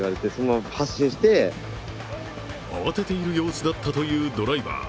慌てている様子だったというドライバー。